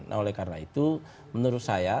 nah oleh karena itu menurut saya